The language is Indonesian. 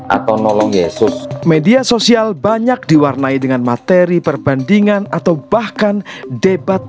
atau nolong yesus media sosial banyak diwarnai dengan materi perbandingan atau bahkan debat